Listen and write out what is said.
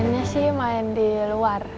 pengennya sih main di luar